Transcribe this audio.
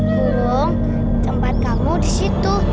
burung tempat kamu di situ